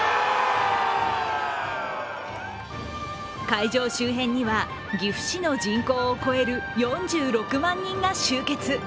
会場周辺には、岐阜市の人口を超える４６万人が集結。